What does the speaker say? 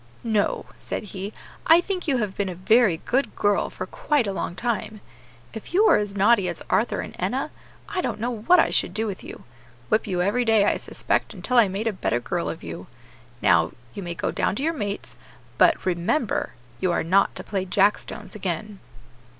"No," said he, "I think you have been a very good girl for quite a long time. If you were as naughty as Arthur and Enna, I don't know what I should do with you; whip you every day, I suspect, until I made a better girl of you. Now you may go down to your mates; but remember, you are not to play jack stones again."